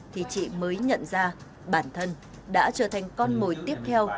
thì chị mới nhận ra bản thân đã trở thành con mồi tiếp theo